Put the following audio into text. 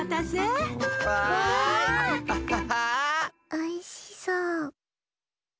おいしそう。